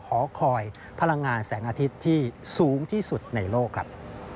หอคอยพลังงานแสงอาทิตย์ที่สูงที่สุดในโลกครับ